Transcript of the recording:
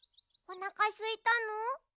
おなかすいたの？